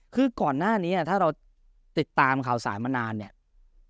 คือก่อนหน้านี้ถ้าเราติดตามข่าวสารมานานเนี่ย